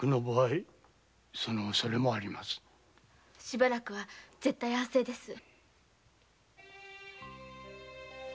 しばらくは絶対安静です。